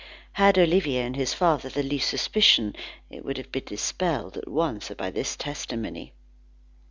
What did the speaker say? Had Olivier and his father the least suspicion, it would have been dispelled at once by this testimony.